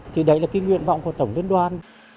thì đấy là cái nguyện vọng của tổng liên đoàn